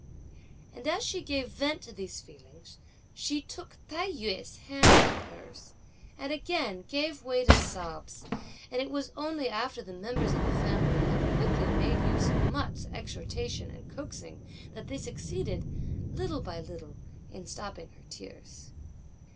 And as she gave vent to these feelings, she took Tai yü's hand in hers, and again gave way to sobs; and it was only after the members of the family had quickly made use of much exhortation and coaxing, that they succeeded, little by little, in stopping her tears.